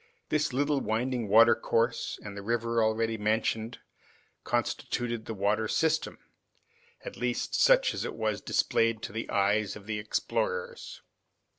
This little winding watercourse and the river already mentioned constituted the water system, at least such as it was displayed to the eyes of the explorers.